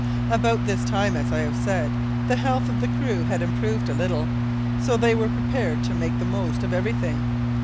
About this time, as I have said, the health of the crew had improved a little, so they were prepared to make the most of everything.